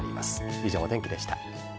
以上、お天気でした。